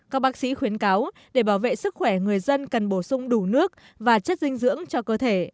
các bác sĩ khuyến cáo để bảo vệ sức khỏe người dân cần bổ sung đủ nước và chất dinh dưỡng cho cơ thể